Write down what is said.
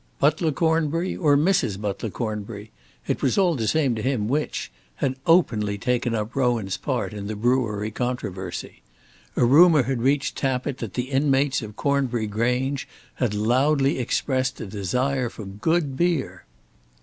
Butler Cornbury, or Mrs. Butler Cornbury, it was all the same to him which, had openly taken up Rowan's part in the brewery controversy. A rumour had reached Tappitt that the inmates of Cornbury Grange had loudly expressed a desire for good beer!